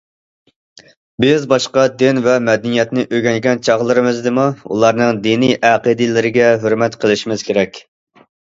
بىز باشقا دىن ۋە مەدەنىيەتنى ئۆگەنگەن چاغلىرىمىزدىمۇ، ئۇلارنىڭ دىنىي ئەقىدىلىرىگە ھۆرمەت قىلىشىمىز كېرەك.